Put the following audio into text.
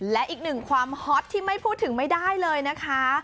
และอีกหนึ่งความฮอตที่ไม่พูดถึงไม่ได้เลยนะคะ